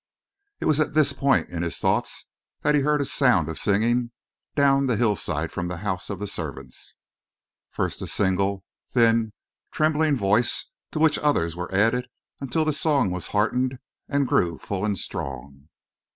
It was at this point in his thoughts that he heard a sound of singing down the hillside from the house of the servants first a single, thin, trembling voice to which others were added until the song was heartened and grew full and strong.